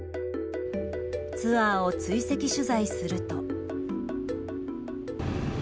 ツアーを追跡取材すると。